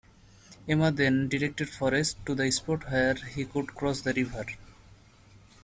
Emma then directed Forrest to the spot where he could cross the river.